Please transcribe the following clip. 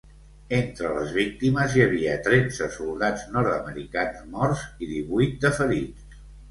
Entre les víctimes hi havia tretze soldats nord-americans morts i divuit de ferits.